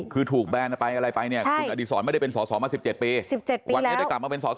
คือถูกแบนไปอะไรไปเนี่ยคุณอสไม่ได้เป็นสสมา๑๗ปี